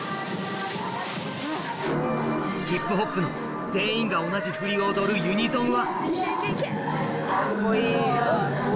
ヒップホップの全員が同じ振りを踊るユニゾンは